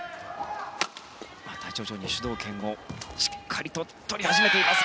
また徐々に主導権をしっかりと取り始めています。